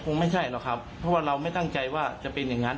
ไม่ใช่หรอกครับเพราะว่าเราไม่ตั้งใจว่าจะเป็นอย่างนั้น